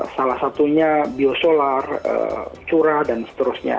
salah satunya biosolar curah dan seterusnya